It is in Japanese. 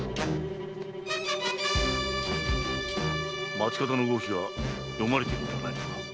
・町方の動きが読まれているのではないのか？